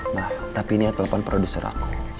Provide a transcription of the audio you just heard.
ma tapi ini ya telpon produser aku